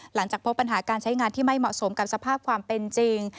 หลังจากพบปัญหาการใช้งานที่ไม่เหมาะสมกับสภาพความเป็นจริง